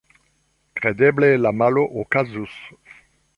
Kredeble la malo okazus.